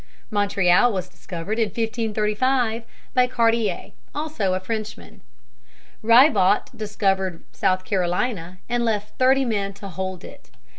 Montreal was discovered in 1535 by Cartier, also a Frenchman. Ribaut discovered South Carolina, and left thirty men to hold it.